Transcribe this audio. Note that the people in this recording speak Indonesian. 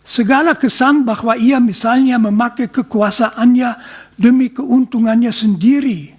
segala kesan bahwa ia misalnya memakai kekuasaannya demi keuntungannya sendiri